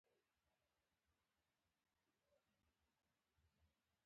هغه د خدماتو د وړاندې کولو لپاره دی.